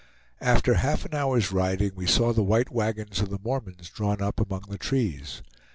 After half an hour's riding we saw the white wagons of the Mormons drawn up among the trees.